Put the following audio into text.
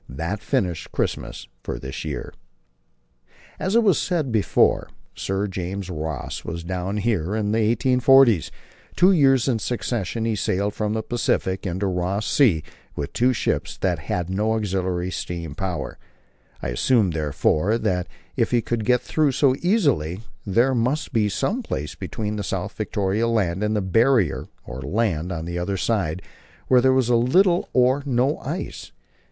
That finished Christmas for this year. As has been said before, Sir James Ross was down here in the 1840's. Two years in succession he sailed from the Pacific into Ross Sea with two ships that had no auxiliary steam power. I assumed, therefore, that if he could get through so easily, there must be some place between South Victoria Land and the Barrier (or land) on the other side, where there was little or no ice.